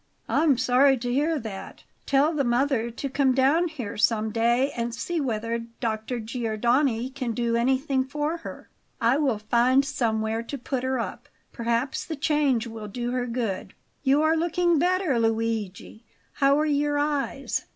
"I'm sorry to hear that; tell the mother to come down here some day and see whether Dr. Giordani can do anything for her. I will find somewhere to put her up; perhaps the change will do her good. You are looking better, Luigi; how are your eyes?"